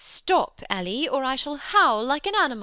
Stop, Ellie; or I shall howl like an animal.